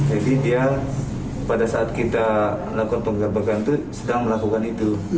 jadi dia pada saat kita melakukan penggabakan itu sedang melakukan itu